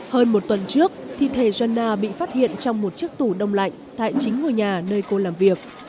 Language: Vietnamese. hơn một tuần trước thi thể genna bị phát hiện trong một chiếc tủ đông lạnh tại chính ngôi nhà nơi cô làm việc